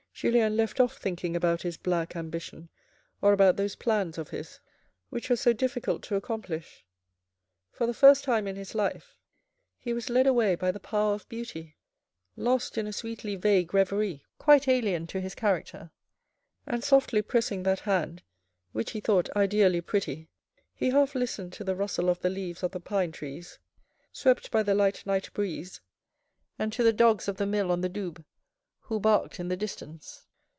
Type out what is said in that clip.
Julien left off thinking about his black ambition, or about those plans of his which were so difficult to accomplish. For the first time in his life he was led away by the power of beauty. Lost in a sweetly vague reverie, quite alien to his character, and softly pressing that hand, which he thought ideally pretty, he half listened to the rustle of the leaves of the pine trees, swept by the light night breeze, and to the dogs of the mill on the Doubs, who barked in the distance.